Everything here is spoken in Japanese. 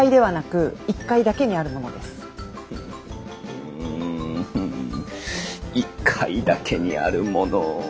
うん１階だけにあるもの。